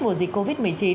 mùa dịch covid một mươi chín